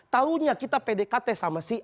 taunya kita pdkt sama si